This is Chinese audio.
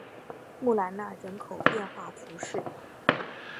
穆兰纳人口变化图示